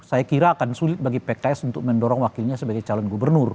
saya kira akan sulit bagi pks untuk mendorong wakilnya sebagai calon gubernur